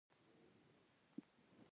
هغه ډير ګړندی مزل کوي.